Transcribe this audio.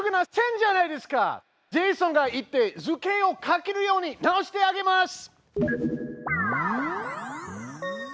ジェイソンが行って図形を描けるように直してあげます！